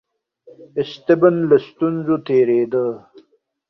اسټن له ستونزو تېرېده.